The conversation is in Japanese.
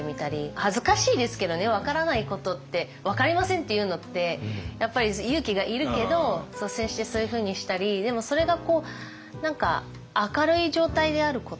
恥ずかしいですけどね分からないことって「分かりません」って言うのってやっぱり勇気がいるけど率先してそういうふうにしたりでもそれが何か明るい状態であること。